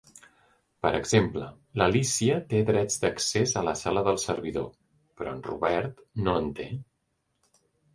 Per exemple, l'Alícia té drets d'accés a la sala del servidor, però en Robert no en té.